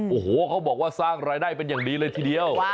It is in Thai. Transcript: โอ้โหเขาบอกว่าสร้างรายได้เป็นอย่างดีเลยทีเดียว